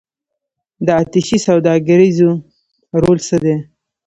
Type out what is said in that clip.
د اتشې سوداګریز رول څه دی؟